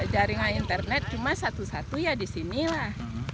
jaringan internet cuma satu satu ya di sinilah